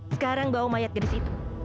sekarang bawa mayat gadis itu